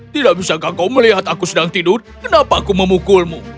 tidak bisakah kau melihat aku sedang tidur kenapa aku memukulmu